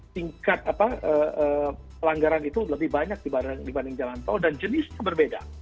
tingkat pelanggaran itu lebih banyak dibanding jalan tol dan jenisnya berbeda